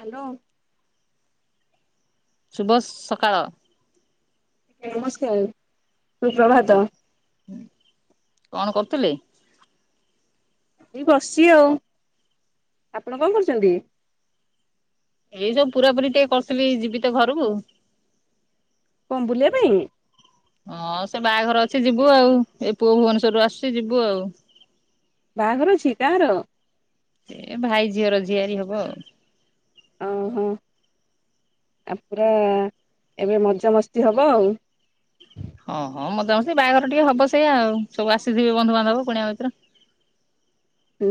Hello. ଶୁଭ ସ ସକାଳ। ନମସ୍କାର ସୁ ପ୍ରଭାତ। କଣ କରୁଥିଲେ? ଏଇ ବସିଚି ଆଉ। ଆପଣ କଣ କରୁଚନ୍ତି? ଏଇ ସବୁ ପୁରାପୁରି ଟିକେ କରୁଥିଲି ଯିବି ତ ଘରୁକୁ। କଣ ବୁଲିବା ପାଇଁ? ହଁ ସେ ବାହାଘର ଅଛି ଯିବୁ ଆଉ ଏ ପୁଅ ଭୁବନେଶ୍ବରରୁ ଆସୁଛି ଯିବୁ ଆଉ। ବାହାଘର ଅଛି କାହାର? ଏ ଭାଇ ଝିଅର। ଝିଆରି ହବ ଆଉ। ଓହୋ ଆଉ ପୁରା ଏବେ ମଜାମସ୍ତି ହବ ଆଉ। ହଁ ହଁ ମଜାମସ୍ତି ବାହାଘର ଟିକେ ହବ ସେଇଆ ଆଉ ସବୁ ଆସିଥିବେ ବନ୍ଧୁବାନ୍ଧବ କୁଣିଆ ମୈତ୍ର।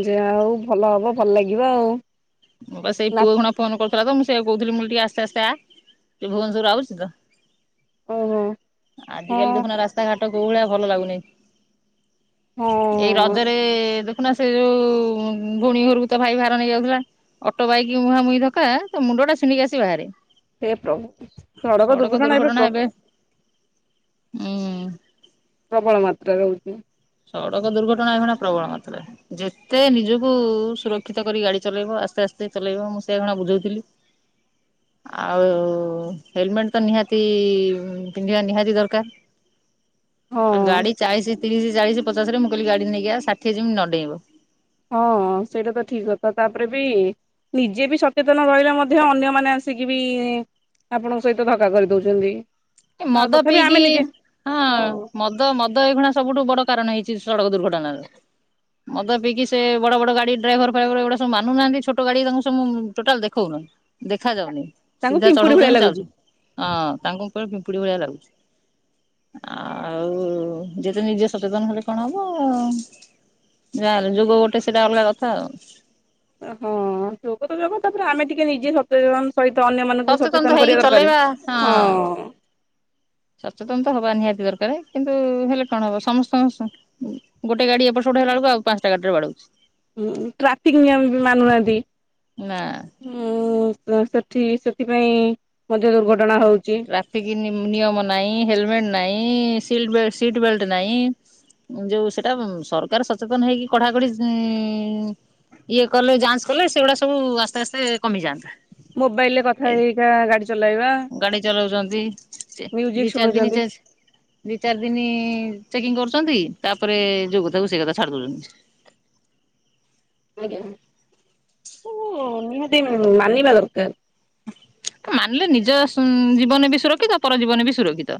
ଯାହା ହଉ ଭଲ ହବ ଭଲ ଲାଗିବ ଆଉ। ମୁଁ ବା ସେଇ ନା ପୁଅ କଣ ଫୋନ କରୁଥିଲା ତ ମୁଁ ସେଇଆ କହୁଥିଲି ମୁଁ ଟିକେ ଆସ୍ତେ ଆସ୍ତେ ଆ ସେ ଭୁବନେଶ୍ବରରୁ ଆଉଚି ତ। ଓହୋ। ହଁ ଆଜିକାଲି ଦେଖୁନା ରାସ୍ତା ଘାଟ କୋଉ ଭଳିଆ ଭଲ ଲାଗୁନି। ହଁ ଏଇ ରଜରେ ଦେଖୁନା ସେ ଯୋଉ ଭୋଉଣୀ ଘୋରକୁ ତା ଭାଇ ଭାର ନେଇ ଯାଉଥିଲା ଅଟୋ ବାଇକି ମୁହାଁମୁହିଁ ଧକା ତା ମୁଣ୍ଡ ଟା ଛିଣ୍ଡିକି ଆସି ବାହାରେ। ହେ ପ୍ରଭୁ ସଡ଼କ ଦୁର୍ଘଟଣା ଏବେ ପ୍ର ହୁଁ ପ୍ରବଳ ମାତ୍ରାରେ ହଉଚି। ସଡ଼କ ଦୁର୍ଘଟଣା ଏଇଖିଣା ପ୍ରବଳ ମାତ୍ରରେ। ଯେତେ ନିଜକୁ ସୁରକ୍ଷିତ କରି ଗାଡି ଚଲେଇବ ଆସ୍ତେ ଆସ୍ତେ ଚଲେଇବ ମୁଁ ସେଖିଣା ଏବେ ବୁଝଉଥିଲି। ହ [unintelligible] ଆଉ ହେଲମେଟ୍ ତ ନିହାତି ପିନ୍ଧିବା ନିହାତି ଦରକାର। ହୁଁ [unintelligible] ଆଉ ଗାଡି ଚାଳିଶି ତିରିଶି ଚାଳିଶି ପଚାଶରେ ମୁଁ କହିଲି ଗାଡି ନେଇକି ଆ ଷାଠିଏ ଯେମିତ ନଡେଇବ। ହଁ ସେଇଟା ତ ଠିକ କଥା ତାପରେ ବି ନିଜେ ବି ସଚେତନ ରହିଲେ ମଧ୍ୟ ଅନ୍ୟମାନେ ଆସିକି ବି ଆପଣଙ୍କ ସହିତ ଧକ୍କା କରିଦଉଛନ୍ତି। ଆଉ ମଦ ତଥାପି ପିଇକି ଆମେ ନିଜେ ହଁ ହଉ ମ ଦ ମଦ ଏଇଖିଣା ସବୁଠୁ ବଡ କାରଣ ହେଇଛି ସଡ଼କ ଦୁର୍ଘଟଣାର। ମଦ ପିଇକି ସେ ବଡ ବଡ ଗାଡି ଡ୍ରାଇଭର ଫ୍ରାଇଭର ଏଗୁଡା ସବୁ ମାନୁ ନାହାନ୍ତି ଛୋଟ ଗାଡି ତାଙ୍କୁ ସବୁ ଟୋଟାଲ ଦେଖଉନ। ଦେଖା ଯାଉନି ତାଙ୍କୁ ସିଧା ପିମ୍ପୁଡି ଭଳିଆ ଚଢଉଛନ୍ତି ଲାଗୁଛି ଚାଲୁଚନ୍ତି ହଁ ତାଙ୍କ ଉପରେ ପିମ୍ପୁଡି ଭଳିଆ ଲାଗୁଛି। ଆଉ ଯେତେ ନିଜେ ସଚେତନ ହେଲେ କଣ ହବ। ଯାହାଲେ ଯୋଗ ଗୋଟେ ସେଇଟା ଅଲଗା କଥା ଆଉ। ହଁ ଯୋଗ ତ ଯୋଗ ତାପରେ ଆମେ ଟିକେ ନିଜେ ସଚେତନ ସହିତ ଅନ୍ୟମାନଙ୍କୁ ତ ସଚେତନ ହେଇକି କରିବା ଦରକାର ଚଲେଇବା ହଁ। ସଚେତନ ତ ହବା ନିହାତି ଦରକାର କିନ୍ତୁ ହେଲେ କଣ ହବ ସମସ୍ତଙ୍କ ଗୋଟେ ଗାଡି ଏପଟ ସେପଟ ହେଲା ବେଳକୁ ଆଉ ପାଞ୍ଚଟା ଗାଡିରେ ବାଡୋଉଛି। ଟ୍ରାଫିକ ନିୟମ ବି ମାନୁ ନାହାନ୍ତି। ନା ହୁଁ ସେଠି ସେଥିପାଇଁ ମଧ୍ୟ ଦୁର୍ଘଟଣା ହଉଚି। ଟ୍ରାଫିକ ନି ନିୟମ ନାହିଁ ହେଲମେଟ ନାହିଁ ସିଲ୍ ବେ ସିଟ୍ ବେଲ୍ଟ ନାହିଁ। ଯୋଉ ସେଟା ସରକାର ସଚେତନ ହେଇକି କଡା଼ କଢି଼- ଇଏ କଲେ ଯାଞ୍ଚ୍ କଲେ ସେଗୁଡା ସବୁ ଆସ୍ତେ ଆସ୍ତେ କମିଯାଆନ୍ତା। ମୋବାଇଲରେ କଥା ଏ ହେଇାଳ ହେଇକା ଗାଡି ଚଲେଇବା। ଗାଡି ଚଲାଉଛନ୍ତି ଦି ଚାରି ଦିନି ଶୁଣୁଛନ୍ତି ଚେକ୍ ଦି ଚାରି ଦିନି ଚେକିଂ କରୁଛନ୍ତି ତାପରେ ଯୋଉ କଥା କୁ ସେଇ କଥା ଛାଡି ଦଉଛନ୍ତି। ଆଜ୍ଞା ଏସବୁ ନିହାତି ମାନିିବା ଦରକାର। ମାନିଲେ ନିଜ ଜୀବନ ବି ସୁରକ୍ଷିତ ପର ଜୀବନ ବି ସୁରକ୍ଷିତ।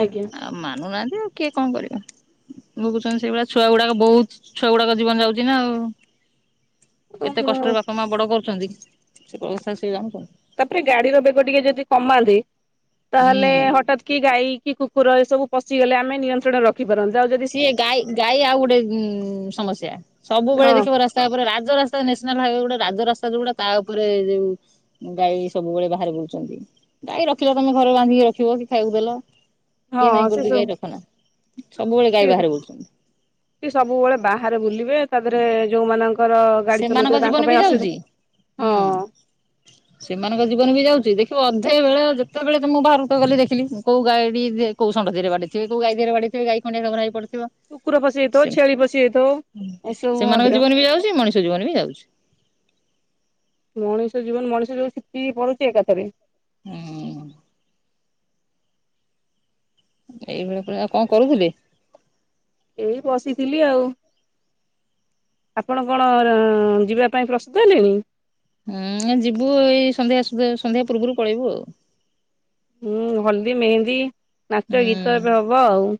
ଆଜ୍ଞା। ଆଉ ମାନୁନାହାନ୍ତି ଆଉ କିଏ କଣ କରିବା। ଭୋଗୁଛନ୍ତି ସେଇଭଳିଆ ଛୁଆ ଗୁଡାକ ବହୁତ ଛୁଆ ଗୁଡାକ ଜୀବନ ଯାଉଛି ନା ଆଉ। କେତେ କଷ୍ଟରେ ବାପା ମା ବଡ କରୁଛନ୍ତି ସେ କଥା ସେ ଜାଣୁଛନ୍ତି। ତାପରେ ଗାଡିର ବେଗ ଟିକେ ଯଦି କମାନ୍ତେ ତାହେଲେ ହୁଁ। ହଠାତ୍ କି ଗାଈ କି କୁ କୁକୁର ଏ ସବୁ ପସିଗଲେ ଆମେ ନିୟନ୍ତ୍ରଣ ର ରଖି ପାରନ୍ତେ। ଆଉ ଯଦି ସିଏ ଗାଈ ଗାଈ ଆଉ ଗୋଟେ ଉଁ ସମସ୍ୟା ସବୁବେଳେ ହଁ ଦେଖିବ ରାସ୍ ତାପରେ ରାଜରାସ୍ତା ନ୍ୟାସନାଲ ହାଇୱେ ଗୋଟେ ରାଜରାସ୍ତା ଯୋଉଗୁଡା ତା ଉପରେ ଯୋଉ ଗାଈ ସବୁବେଳେ ବାହାରେ ବୁଲୁଛନ୍ତି। ଗାଈ ରଖିଲ ତମେ ଘରେ ବାନ୍ଧିକି ରଖିବ କି ଖାଇବାକୁ ଦେଲ। କିଏ ହଁ ନାଇଁ ସେ କରୁଛି ସବୁ ଗାଈ ରଖନା ସବୁବେଳେ ଗାଈ ସେ ବାହାରେ ବୁଲୁଛନ୍ତି। ସବୁବେଳେ ବାହାରେ ବୁଲିବେ ତାଧିରେ ଯୋଉମାନଙ୍କ ଙ୍କର ଗାଡି ସେମାନଙ୍କ ଚଲାଉଥିବେ ଜୀବନ ତାଙ୍କ ବି ପାଇଁ ଯାଉଛି ଅସୁବିଧା। ହଁ। ହୁଁ। ସେମାନଙ୍କ ଜୀବନ ବି ଯାଉଚି ଦେଖିବୁ ଅଧେ ବେଳେ ଯେତେବେଳେ ତ ମୁଁ ବାହାରୁ ତ ଗଲି ଦେଖିଲି କୋଉ ଗାଡି ଦେ କୋଉ ଷଣ୍ଢ ଦିହରେ ବାଡେଇଥିବେ କୋଉ ଗାଈ ଦିହରେ ବାଡେଇଥିବେ ଗାଈ ଖଣ୍ଡିଆ ଖାବରା ହେଇ ପଡିିଥିବ। କୁକୁର ପଶି ଯାଇଥିବ ଛେଳି ପଶି ଯାଇଥିବ। ଏସବୁ ସେମାନଙ୍କ ମଧ୍ୟ ଜୀବନ ବି ଯାଉଚି ମଣିଷ ଜୀବନ ବି ଯାଉଛି। ମଣିଷ ଜୀବନ ମଣିଷ ଯୋଉ ଛିଟିକିକି ପଡ଼ୁଛି ଏକାଥରେ। ହଁ। ଏଇଭଳିଆ ପରା ଆଉ କଣ କରୁଥିଲେ? ଏଇ ବସିଥିଲି ଆଉ। ଆପଣ କଣ ଯିବା ପାଇଁ ପ୍ରସ୍ତୁତ ହେଲେଣି। ହୁଁ ଏ ଯିବୁ ଏଇ ସନ୍ଧ୍ୟା ସୁଦ୍ଧା ସନ୍ଧ୍ୟା ପୂର୍ବରୁ ପଳେଇବୁ ଆଉ‌। ହୁଁ ହଳଦୀ ମେହେନ୍ଦି। ନାଚ ଗୀତ ହୁଁ ଏବେ ହବ ଆଉ,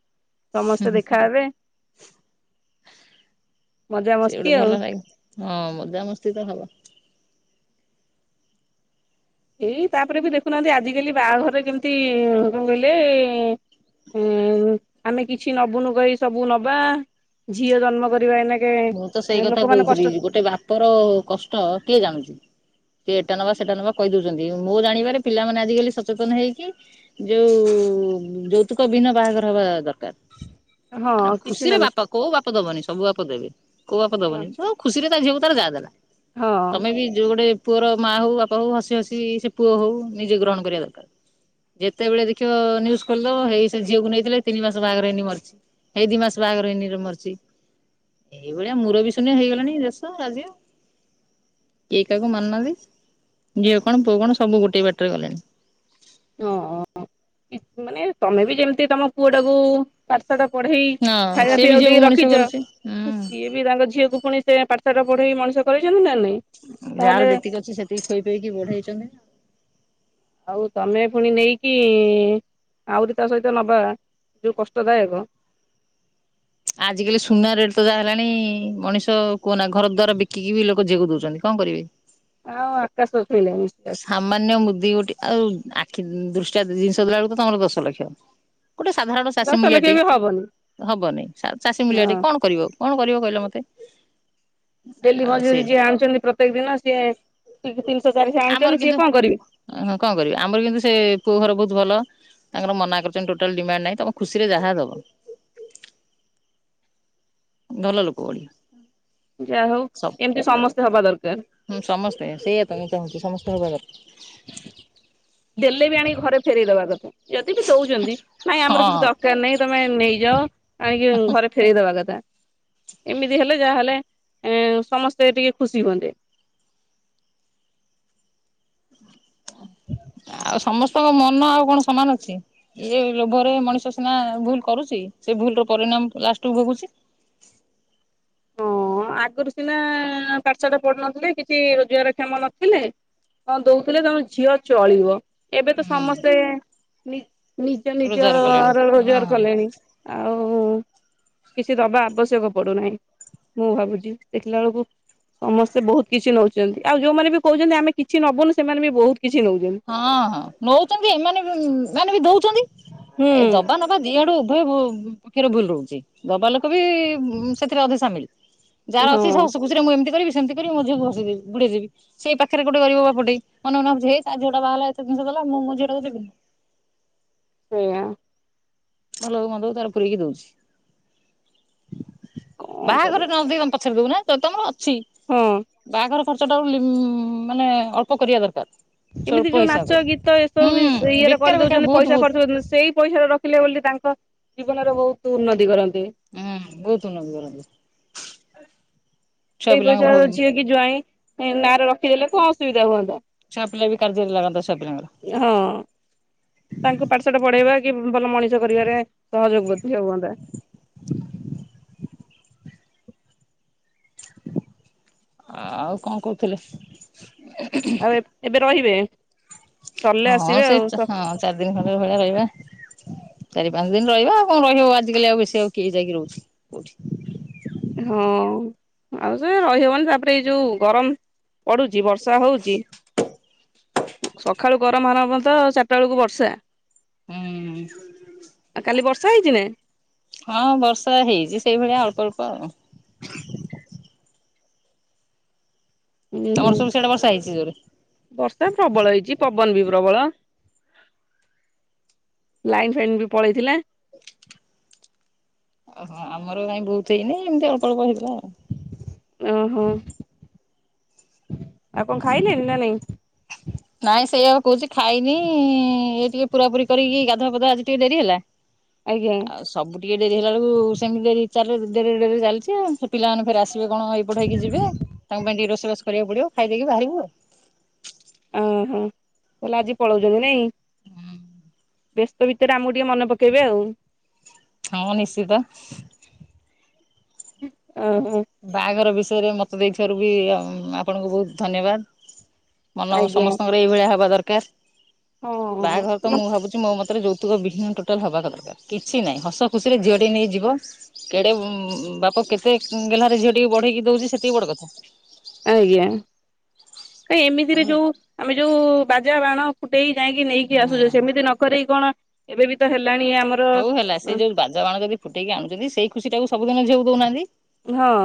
ସମସ୍ତେ ଦେଖାହେବେ। ସେ ମଜାମସ୍ତି ଗୋଟେ ଆଉ। ଭଲ ଲାଗିବ। ହଁ, ମଜାମସ୍ତି ତ ହବ। ଏଇ, ତାପରେ ବି ଦେଖୁନାହାନ୍ତି, ଆଜିିକାଲି ବାହାଘରରେ କେମିତି-ଇ-ଇ କଣ କହିଲେ -ଏ-ଏ ଉଁ, ଆମେ କିଛି ନବୁନୁ କହି ସବୁ ନବା, ଝିଅ ଜନ୍ମ କରିବା ଏଇନା ମୁଁ ତ ସେଇ କଥା କହୁଥିଲି, ଗୋଟେ ବାପ ର କଷ୍ଟ କିଏ ଜାଣୁଛି? କେ ଏଟା ନବା, ସେଟା ନବା କହି ଦଉଛନ୍ତି। ମୁଁ ଜାଣିବାରେ, ପିଲାମାନେ ଆଜିକାଲି ସଚେତନ ହେଇକି ଯୋଉ ଯୌତୁକ ବିନ୍ନ ବାହାଘର ହବା ଦରକାର। ହଁ କିଛି ଖୁସିରେ ନହେଲେ ବାପ କୋଉ ବାପ ଦବନି, ସବୁ ବାପ ଦେବେ। କୋଉ ବାପ ହଁ ଦବନି। ହଉ, ଖୁସିରେ ତା ଝିଅକୁ ତାର ଯାହା ଦେଲା, ହଁ ତମେ ବି ଯୋଉ ଗୋଟେ ପୁଅର ମାଆ ହଉ, ବାପା ହଉ, ହସି ହସି ସେ ପୁଅ ହଉ, ନିଜେ ଗ୍ରହଣ କରିବା ଦରକାର। ଯେତେବେଳେ ଦେଖିବ, ନ୍ୟୁଜ୍‌ ଖୋଲିଦେବ, ହେଇ ସେ ଝିଅକୁ ନେଇଥିଲେ, ତିନି ମାସ ବାହାଘର ହେଇନି, ମରିଚି। ହେଇ, ଦି ମାସ ବାହାଘର ହେଇନିର, ମରିଚି। ଏଇଭଳିଆ ମୂରବି ଶୂନ୍ୟ ହେଇଗଲାଣି ଦେଶ, ରାଜ୍ୟ। କେଇ କାହାକୁ ମାନୁନାହାନ୍ତି, ଝିଅ କଣ, ପୁଅ କଣ, ସବୁ ଗୋଟେ ବାଟରେ ଗଲେଣି। ଓ, ମାନେ ତମେ ବି ଯେମତି ତମ ପୁଅଟାକୁ ପାଠ-ସାଠ ପଢ଼େଇ, ହଁ ଖାଇବା ସିଏ ବି ପିଇବାକୁ ଝିଅକୁ ଦେଇ ମଣିଷ ରଖିଛ। କରୁଛି ହୁଁ। ସିଏ ବି ତାଙ୍କ ଝିଅକୁ ପୁଣି ସେ ପାଠ-ସାଠ ପଢ଼େଇ, ମଣିଷ କରେଇଛନ୍ତି ନା ନାଇଁ? ତାହେଲେ ଯାହାର ଯେତିକି ଅଛି, ସେତିକି ଖୋଇ ପିଏଇକି ବଢେଇଛନ୍ତି। ଆଉ ତମେ ପୁଣି ନେଇକି ଆହୁରି ତା ସହିତ ନବା, ଯୋଉ କଷ୍ଟଦାୟକ। ଆଜିକାଲି ସୁନା ରେଟ୍ ତ ଯାହା ହେଲାଣି, ମଣିଷ କୁହନା, ଘର ଦ୍ୱାର ବିକିକି ବି ଲୋକ ଝିଅକୁ ଦଉଛନ୍ତି। କଣ କରିବେ? ଆଉ ଆକାଶ ଛୁଇଁଲାଣି। [unintelligible] ସାମାନ୍ୟ ମୁଦି ଗୋଟେ, ଆଉ ଆଖି ଦୃଷ୍ଟିଆ ଜିନିଷ ଦେଲା ବେଳକୁ ତମର ଦଶ ଲକ୍ଷ। ଗୋଟେ ସାଧାରଣ ଦଶ ଲକ୍ଷ ଚାଷୀ-ମୂଲିଆଟେ ବି ହବନି ହବନି, ହଁ। ଚାଷୀ-ମୂଲିଆଟେ କଣ କରିବ ଆଉ? କଣ କରିବ କହିଲ ମୋତେ? ଡେଲି ମଜୁରୀ ଯିଏ ଆଣୁଛନ୍ତି, ପ୍ରତ୍ୟେକ ଦିନ ସିଏ ତିନିଶହ, ଚାରିଶହ ଆମର ଆଣୁଛନ୍ତି, କିନ୍ତୁ ସିଏ କଣ କରିଵେ? ହଁ, କଣ କରିବା? ଆମର କିନ୍ତୁ ସେ ପୁଅ ଘର ବହୁତ ଭଲ। ତାଙ୍କର ମନା କରିଛନ୍ତି, ଟୋଟଲ ଡିମାଣ୍ଡ ନାଇଁ, ତମେ ଖୁସିରେ ଯାହା ଦବ। [inaudible] ଭଲ ଲୋକ ବଢ଼ି ଯାହା ହଉ, ଏମିତି ସମସ୍ତେ ହବା ଦରକାର। ହୁଁ, ସମସ୍ତେ ସେଇଆ, ତ ମୁଁ ଚାହୁଁଛି, ସମସ୍ତେ ହବା ଦରକାର। ଦେଲେ ବି ଆଣିକି ଘରେ ଫେରଇଦବା କଥା। ଯଦି ବି ଦଉଛନ୍ତି, ନାଇଁ, ଆମର କିଛି ହଁ। ଦର ଦରକାର ନାଇଁ, ତମେ ନେଇଯାଅ, ଆଣିକି ଘରେ ଫେରଇଦବା କଥା। ଏମିତି ହେଲେ ଯାହାହଲେ, ଏଁ, ସମସ୍ତେ ଟିକେ ଖୁସି ହୁଅନ୍ତେ। [inaudible] ଆଉ ସମସ୍ତଙ୍କ ମନ ଆଉ କଣ ସମାନ ଅଛି? ଇଏ ଲୋଭରେ ମଣିଷ ସିନା ଭୁଲ କରୁଛି, ସେ ଭୁଲ ର ପରିଣାମ ଲାଷ୍ଟକୁୁ ଭୋଗୁଛି। ହଁ, ଆଗରୁ ସିନା ପାଠ-ସାଠ ପଢୁନଥିଲେ, କିଛି ରୋଜଗାର କ୍ଷମ ନଥିଲେ। ହଁ, ଦଉଥିଲେ ତମ ଝିଅ ଚଳିବ, ଏବେ ତ ହୁଁ ସମସ୍ତେ ନିଜ ରୋଜଗାର ନିଜ-ଅ-ଅ କଲେଣି ର ହଁ ରୋଜଗାର ହଁ କଲେଣି। ଆଉ କିଛି ଦବା ଆବଶ୍ୟକ ପଡୁନାହିଁ। ମୁଁ ଭାବୁଛି, ଦେଖିଲା ବେଳକୁ ସମସ୍ତେ ବହୁତ କିଛି ନଉ ଛନ୍ତି, ଆଉ ଯୋଉମାନେ ବି କହୁଛନ୍ତି, ଆମେ କିଛି ନବୁନୁ, ସେମାନେ ବି ବହୁତ କିଛି ନଉଛନ୍ତି। ହଁ, ହଁ, ନଉଛନ୍ତି। ଏମାନେ ବି ଏମାନେ ବି ଦଉଛନ୍ତି, ଏ ହୁଁ ଦବା ନବା ହଁ, ଦିଆଡୁ ଉଭୟ ଭୁ ପକ୍ଷରେ ଭୁଲ ରହୁଛି। ଦବା ଲୋକ ବି ସେଥିରେ ଅଧେ ସାମିଲ। ଯା ହଁ ଅଛି ଶାଶୁକୁ ମୁଁ ଏମତି କରିବି, ସେମତି କରିବି। ମୋ ଝିଅ କୁ ଭସେଇ ଦେବି, ବୁଡେଇ ଦେବି। ସେ ପାଖରେ ଗୋଟେ ଗରିବ ବାପଟେ ମନେ ମନେ ଭାବୁଥିବ ହେ ତା ଝୁଅଟା ବାହା ହେଲା ଏତେ ଜିନିଷ ଦେଲା। ମୁଁ ମୋ ଝିଅ ଟା କୁ ଦେବିନି। ସେଇୟା। ଭଲ ହଉ, ମନ୍ଦ ହଉ, ତାର ପୁରେଇକି ଦଉଛି। କଣ ବାହାଘରେ କରିବା ନ ଦେଇ ତମେ ପଛରେ ଦଉନା ଯିଦି ତମର ଅଛି। ହଁ ବାହାଘର ଖର୍ଚ୍ଚଟାକୁ ମାନେ ଅଳ୍ପ କରିବା ଦରକାର। ଏମିତି ସ୍ୱଳ୍ପ ଯୋଉ ନାଚ ହିସାବରେ ଗୀତ ଏସବୁ ହୁଁ ବି-ସେଇ ଇଏରେ ବେକାର କରି ବେକାର ଦଉଛନ୍ତି। ବହୁତ ପଇସା ବହୁତ ଖର୍ଚ୍ଚ କରୁଚନ୍ତି ସେଇ ପଇସାର ରଖିଲେ ବୋଲି ତାଙ୍କ ଜୀବନରେ ବହୁତ ଉନ୍ନତି କରନ୍ତେ। ଆଁ ବହୁତ ଉନ୍ନତି କରନ୍ତେ। ସେଇ ପଇସା ଝିଅ କି ଜ୍ୱାଇଁ ନାଁରେ ରଖିଦେଲେ କଣ ଅସୁବିଧା ହୁଅନ୍ତା? ଛୁଆ ପିଲାର ବି କାର୍ଯ୍ୟରେ ଲାଗନ୍ତା, ଛୁଆ ପିଲାଙ୍କର। ହଁ। ତାଙ୍କ ପାଠ ସାଠ ପଢେଇବା କି ଭଲ ମଣିଷ କରିବାରେ ସହଯୋଗ ଅଧିକ ହୁଅନ୍ତା। ଆଉ କଣ କଉଥିଲେ? ଆଉ ଏବେ ରହିବେ। ସରିଲେ ହଁ ଆସିବେ ସେଇ ଆଉ। ହଁ ଚାରି ଦିନ ଖଣ୍ଡେ ଭଳିଆ ରହିବା। ଚାରି ପାଞ୍ଚ ଦିନ ରହିବା ଆଉ କଣ ରହିବ? ଆଜିକାଲି ଆଉ ବେଶି ଆଉ କିଏ ଯାଇକି ରହୁଛି କୋଉଠି? ହଁ, ଆଉ ସେ ରହିହବନି ତା ପରେ ଏଇ ଯୋଉ ଗରମ ପଡୁଚି। ବର୍ଷା ହଉଚି। ସକାଳୁ ଗରମ ଫରମ ତ ଚାରିଟା ବେଳକୁ ବର୍ଷା। ହୁଁ। ଆଉ କାଲି ବର୍ଷା ହେଇଚି ନା। ହଁ ବର୍ଷା ହେଇଛି ସେଇଭଳିଆ ଅଳ୍ପ ଅଳ୍ପ ଆଉ। ହୁଁ ହୁଁ ତମର ସବୁ ସିଆଡେ ବର୍ଷା ହେଇଛି ଜୋରେ। ବର୍ଷା ପ୍ରବଳ ହେଇଛି, ପବନ ବି ପ୍ରବଳ। ଲାଇନ୍ ଫାଇନ୍ ବି ପଳେଇଥିଲା। ଓହୋ ଆମର କାଇଁ ବହୁତ ହେଇନି। ଏମତି ଅଳ୍ପ ଅଳ୍ପ ହେଇଥିଲା ଆଉ। ଓହୋ ଆଉ କଣ ଖାଇଲେଣି, ନା ନାଇଁ? ନାଇଁ ସେଇଆଉକୁ କହୁଛି ଖାଇନି ଏଇ ଟିକେ ପୁରା ପୁରି କରିକି ଗାଧୁଆ ପାଧୁଆ ଆଜି ଟିକେ ଡେରି ହେଲା। ଆଜ୍ଞା ଆଉ ସବୁ ଟିକେ ଡେରି ହେଲା ବେଳକୁ ସେମିତି [unintelligible] ଡେରିରେ ଡେରିରେ ଚାଲିଛି ଆଉ। ସେ ପିଲାମାନେ ଫେର୍ ଆସ୍ ସେ କଣ ଏଇପଟ ହେଇକି ଯିବେ? ତାଙ୍କ ପାଇଁ ଟିକେ ରୋଷେଇ ବାସ କରିବାକୁ ପଡିବ। ଖାଇ ଦେଇକି ବାହାରିବୁ ଆଉ। ଉଁ ହୁଁ। ତା ହେଲେ ଆଜି ପଳଉଚନ୍ତି ନାଇଁ। ବ୍ୟସ୍ତ ଭିତରେ ଆମକୁ ଟିକେ ମନେ ପକେଇବେ ଆଉ। ହଁ ନିଶ୍ଚିତ। ଓ ହୋ। ବାହାଘର ବିଷୟରେ ମତ ଦେଇଥିବାରୁ ବି ଆପଣଙ୍କୁ ବହୁତ ଧନ୍ୟବାଦ। ମନ ଆଜ୍ଞା ସମସ୍ତଙ୍କର ଏଇ ଭଳିଆ ହବା ଦରକାର। ହଁ ବାହାଘର ତ ମୁଁ ଭାବୁଛି ମୋ ମତ ଯୌତୁକ ବିହୀନ୍ ଟୋଟାଲ ହବା [unintelligible] କିଛି ନାହିଁ ହସ ଖୁସିରେ ଝିଅଟିଏ ନେଇଯିବ। କେଡେ ବାପ କେତେ ଗେହ୍ଲାରେ ଝିଅଟିକୁ ବଢେଇକି ଦଉଛି, ସେତିକି ବଡ କଥା। ଆଜ୍ଞା। କାଇଁ ଏମିତିରେ ଯୋଉ ଆମେ ଯୋଉ ବାଜା ବାଣ ଫୁଟେଇ ଯାଇକି ନେଇକି ଆସୁଚେ। ସେମିତି ନ କରି କଣ, ଏବେ ବି ତ ହେଲାଣି ଆ ହଉ ହେଲା ସେଇ ଯୋଉ ବାଜ ବାଣ ଯଦି ଫୁଟେଇକି ଆଣୁଚନ୍ତି। ସେଇ ଖୁସିଟାକୁ ସବୁଦିନ ଝିଅକୁ ଦଉନାହାନ୍ତି। ହଁ।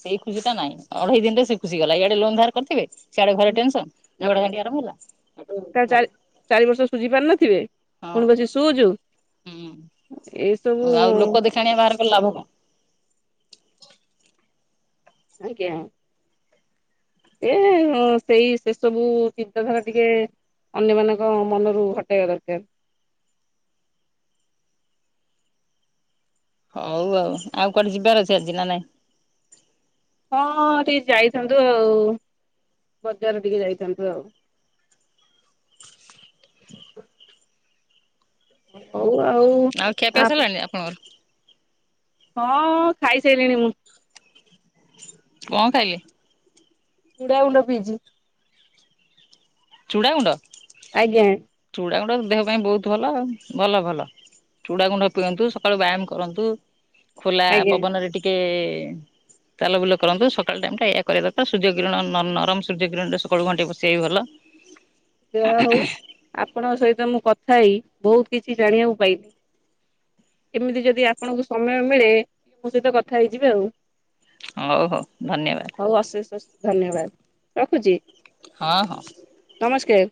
ସେଇ ଖୁସିଟା ନାଇଁ। ଅଢେଇ ଦିନରେ ସେଇ ଖୁସି ଗଲା। ଇଆଡେ ଲୋନ୍ ଧାର କରିଥିବେ। ସଆଡେ ଘରେ ଟେନସନ୍। ଝଗଡା ଝାଣ୍ଟି ଆରମ୍ଭ ହେଲା। ହେଠୁ ତା ଚାରି ବାହାରିଲେ ଚାରି ବର୍ଷ ସୁଝି ପାରିନଥିବେ ହଁ ପୁଣି ବସିକି ସୁଜୁ। ଏ ସବୁ କାଣିଆ ବାହାର କଲେ ଲାଭ କଁ? ଆଜ୍ଞା। ଏ ହ ସେଇ ସେସବୁ ଚିନ୍ତାଧାରା ଟିକେ ଅନ୍ୟମାନଙ୍କ ମନରୁ ହଟେଇବା ଦର୍କାର। ହୋଉ ଆଉ। ଆଉ କୁଆଡେ ଯିବାର ଅଛି ଆଜି ନା ନାଇଁ? ହଁ ଟିକେ ଯାଇଥାନ୍ତୁ ଆଉ ବଜାର ଟିକେ ଯାଇଥାନ୍ତୁ ଆଉ। ଅ ହୋଉ ଆଉ। ଆଉ ଖିଆପିଆ ସାରିଲାଣି ଆପଣଙ୍କର? ହଁ ଖାଇସାଇଲିଣି ମୁଁ। କଁ ଖାଇଲେ? ଚୁଡାଗୁଣ୍ଡ ପିଇଚି। ଚୁଡ଼ାଗୁଣ୍ଡ? ଆଜ୍ଞା। ଚୁଡାଗୁଣ୍ଡ ତ ଦେହ ପାଇଁ ବୋହୁତ୍ ଭଲ ଆଉ ଭଲ ଭଲ। ଚୁଡ଼ା ଗୁଣ୍ଡ ପିଅନ୍ତୁ, ସକାଳୁ ବ୍ୟାୟାମ କରନ୍ତୁ ଖୋଲା ଆଜ୍ଞା। ପବନରେ ଟିକେ ଚାଲ ବୁଲ କରନ୍ତୁ ସକାଳ ଟାଇମ୍ ଟା ଏହା କରିବା କଥା ସୂର୍ଯ୍ୟ କିରଣ ନରମ ସୂର୍ଯ୍ୟକିରଣରେ ସକାଳୁ ଘଣ୍ଟେ ପଶିବା ବି ଭଲ। ଯାହା ହୋଉ ଆପଣଙ୍କ ସହିତ ମୁଁ କଥା ହେଇ ବହୁତ କିଛି ଜାଣିବାକୁ ପାଇଲି। ଏମିତି ଯେଦି ଆପଣଙ୍କୁ ସମୟ ମିଳେ ମୋ ସହିତ କଥା ହେଇଯିବେ ଆଉ। ହଉ ହଉ ଧନ୍ୟବାଦ୍। ହୋଉ ଅଶେଷ ଅଶେଷ ଧନ୍ୟବାଦ ରଖୁଚି? ହଁ ହଁ। ନମସ୍କାର।